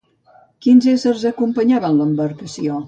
Quins éssers acompanyaven l'embarcació?